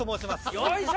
よいしょ！